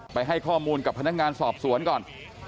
ให้ข้อมูลกับพนักงานสอบสวนก่อน